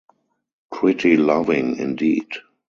Pretty loving, indeed!